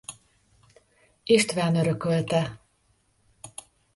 István örökölte.